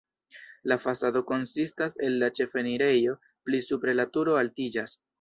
La fasado konsistas el la ĉefenirejo, pli supre la turo altiĝas.